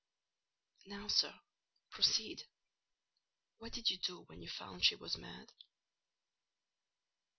"Now, sir, proceed; what did you do when you found she was mad?"